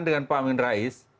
dengan pak amin rais